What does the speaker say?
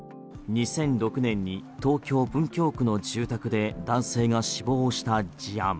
２００６年に東京・文京区の住宅で男性が死亡した事案。